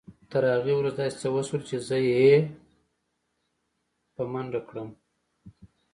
تر هغه وروسته داسې څه وشول چې زه يې هيλε مند کړم.